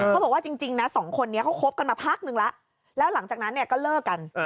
เขาบอกว่าจริงนะสองคนนี้เขาคบกันมาพักนึงแล้วแล้วหลังจากนั้นเนี่ยก็เลิกกัน